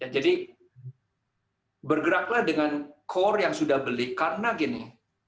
jadi bergeraklah dengan core yang sudah beli karena gini